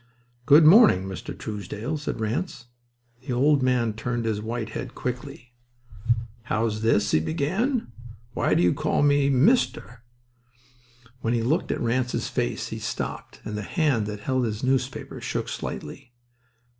"Good morning, Mr. Truesdell," said Ranse. The old man turned his white head quickly. "How is this?" he began. "Why do you call me 'Mr.—'?" When he looked at Ranse's face he stopped, and the hand that held his newspaper shook slightly.